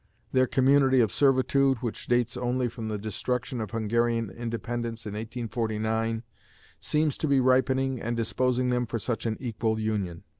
Their community of servitude, which dates only from the destruction of Hungarian independence in 1849, seems to be ripening and disposing them for such an equal union.